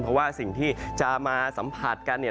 เพราะว่าสิ่งที่จะมาสัมผัสกันเนี่ย